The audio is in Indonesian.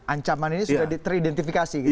ancaman ini sudah teridentifikasi gitu ya